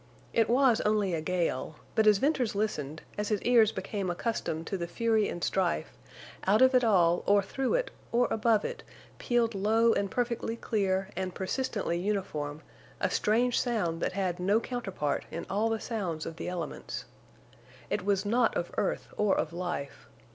It was only a gale, but as Venters listened, as his ears became accustomed to the fury and strife, out of it all or through it or above it pealed low and perfectly clear and persistently uniform a strange sound that had no counterpart in all the sounds of the elements. It was not of earth or of life.